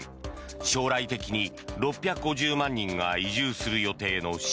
将来的に６５０万人が移住する予定の新